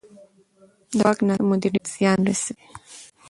د واک ناسم مدیریت زیان رسوي